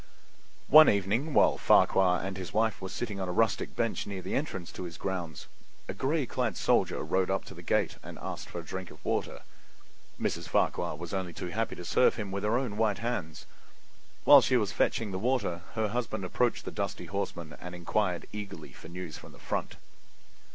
One evening while Farquhar and his wife were sitting on a rustic bench near the entrance to his grounds, a gray clad soldier rode up to the gate and asked for a drink of water. Mrs. Farquhar was only too happy to serve him with her own white hands. While she was fetching the water her husband approached the dusty horseman and inquired eagerly for news from the front.